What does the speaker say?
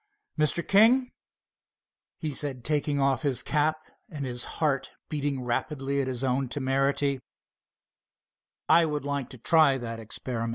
"Mr. King," he said taking off his cap, and his heart beating rapidly at his own temerity, "I would like to try that experiment."